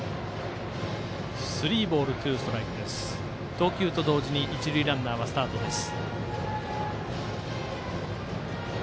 投球と同時に一塁ランナーはスタートです。